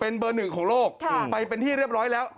เป็นเบอร์หนึ่งของโลกไปเป็นที่เรียบร้อยแล้ว